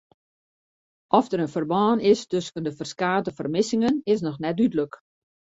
Oft der in ferbân is tusken de ferskate fermissingen is noch net dúdlik.